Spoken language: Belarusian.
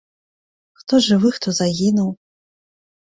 Хто жывы, хто загінуў.